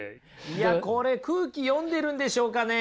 いやこれ空気読んでるんでしょうかね？